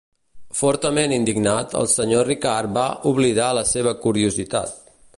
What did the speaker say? Fortament indignat, el Sr. Ricard va oblidar la seva curiositat.